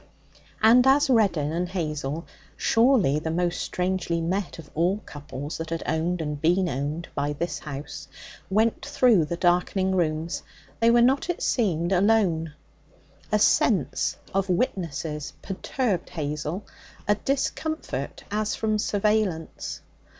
And as Reddin and Hazel surely the most strangely met of all couples that had owned and been owned by this house went through the darkening rooms, they were not, it seemed, alone. A sense of witnesses perturbed Hazel, a discomfort as from surveillance.